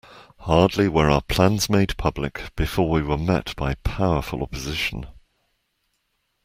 Hardly were our plans made public before we were met by powerful opposition.